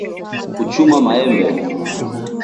Kuchuma maembe?